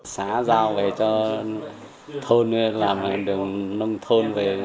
xã giao về cho thôn làm hàng đường nông thôn